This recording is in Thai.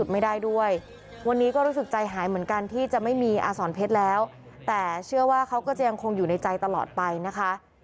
มันบอกมันจะอยู่ด้วยกัน